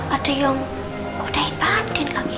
ada yang kudain mbak andin lagi